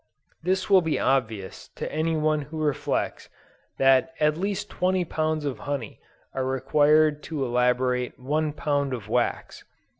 This will be obvious to any one who reflects that at least 20 pounds of honey are required to elaborate one pound of wax.